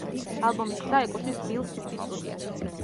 ალბომის ყდა ეკუთვნის ბილ სმითის სტუდიას.